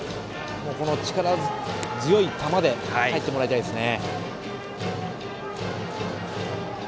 この力強い球でとってもらいたいですね。